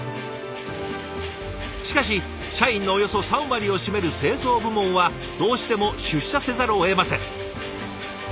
しかし社員のおよそ３割を占める製造部門はどうしても出社せざるをえません。